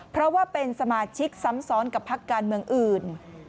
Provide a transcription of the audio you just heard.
เพราะว่าเป็นสมาชิกซ้ำซ้อนกับพักการเมืองอื่น